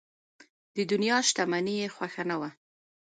د دنیا شتمني یې خوښه نه وه.